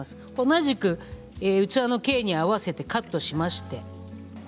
同じく器の径に合わせてカットしました。